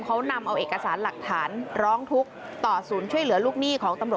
เขานำเอาเอกสารหลักฐานร้องทุกข์ต่อศูนย์ช่วยเหลือลูกหนี้ของตำรวจ